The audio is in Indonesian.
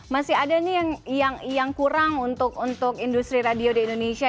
masih ada nih yang kurang untuk industri radio di indonesia